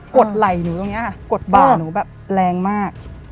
ดไหล่หนูตรงนี้ค่ะกดบ่าหนูแบบแรงมาก